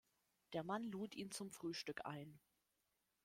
Der Mann lud ihn zum Frühstück ein.